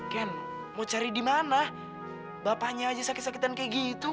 ken mau cari di mana bapaknya aja sakit sakitan kayak gitu